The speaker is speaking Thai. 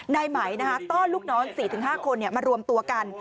นายไหมต้อนลูกน้อง๔๕คนมารวมตัวกัน